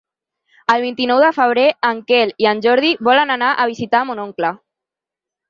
El vint-i-nou de febrer en Quel i en Jordi volen anar a visitar mon oncle.